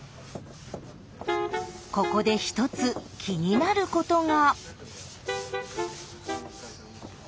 ここで１つ気になることが。